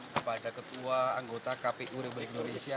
kepada ketua anggota kpu republik indonesia